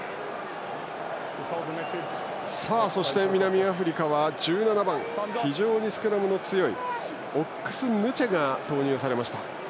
そして、南アフリカは１７番非常にスクラムの強いオックス・ヌチェが投入されました。